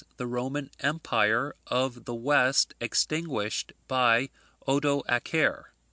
The Roman Empire of the West extinguished by Odoacer.